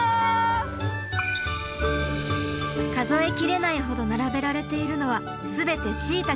数え切れないほど並べられているのは全てしいたけの原木。